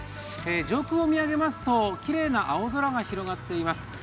上空を見上げますと、きれいな青空が広がっています。